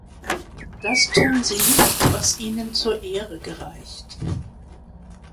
Das tun sie nicht, was ihnen zur Ehre gereicht.